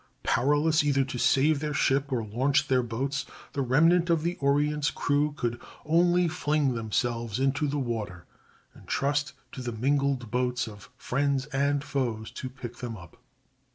Powerless either to save their ship or launch their boats, the remnant of the Orient's crew could only fling themselves into the water and trust to the mingled boats of friends and foes to pick them up.